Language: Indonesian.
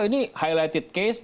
ini case yang terkenal